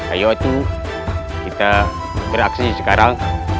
ayo kita beraksi sekarang